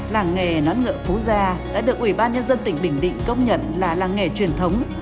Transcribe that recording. làng nghề nón ngựa phú gia đã được ủy ban nhân dân tỉnh bình định công nhận là làng nghề truyền thống